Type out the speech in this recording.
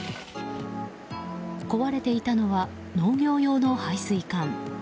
壊れていたのは農業用の配水管。